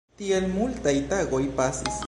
Tiel multaj tagoj pasis.